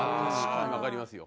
わかりますよ。